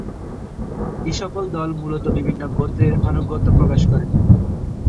এসকল দল মূলত বিভিন্ন গোত্রের আনুগত্য প্রকাশ করে।